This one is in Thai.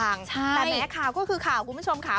ที่บ้านเช่าเพียงลำพังใช่แต่แม้ข่าวก็คือข่าวคุณผู้ชมค่ะ